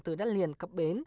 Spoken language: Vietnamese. từ đất liền cấp bến